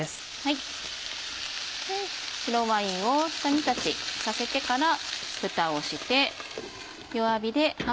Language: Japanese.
白ワインをひと煮立ちさせてからふたをして。